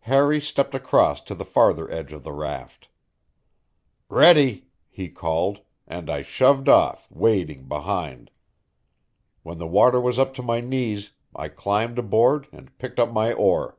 Harry stepped across to the farther edge of the raft. "Ready!" he called, and I shoved off, wading behind. When the water was up to my knees I climbed aboard and picked up my oar.